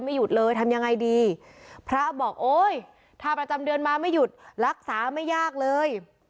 หยุดเลยทำยังไงดีพระบอกโอ้ยถ้าประจำเดือนมาไม่หยุดรักษาไม่ยากเลย